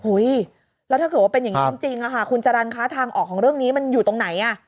แล้วถ้าเกิดว่าเป็นอย่างนี้จริงคุณจรรย์คะทางออกของเรื่องนี้มันอยู่ตรงไหนอ่ะ